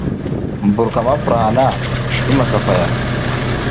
Mbur ka ma pura hana, i masafaya.